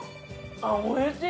おいしい。